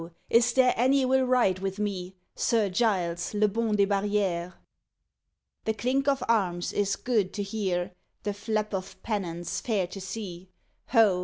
is there any will ride with me, Sir Giles, le bon des barrières?_ The clink of arms is good to hear, The flap of pennons fair to see; _Ho!